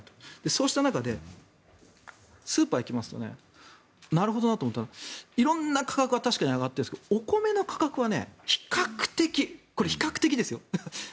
そうした中でスーパーに行きますとなるほどなと思ったのは色んな価格は確かに上がってるんですがお米の価格は比較的これ、比較的ですよ。